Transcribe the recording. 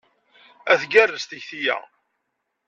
Ay tgerrez tekti-a!